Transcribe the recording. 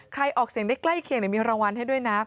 ออกเสียงได้ใกล้เคียงมีรางวัลให้ด้วยนะ